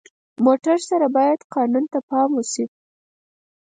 موټر سره باید قانون ته پام وشي.